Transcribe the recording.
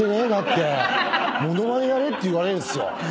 ものまねやれって言われるんすよ？